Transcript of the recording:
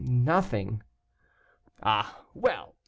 "Nothing." "Ah, well!